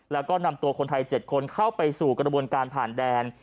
แล้วก็นำตัวคนไทย๗คนเข้าไปสู่กระบวนการผ่านแดน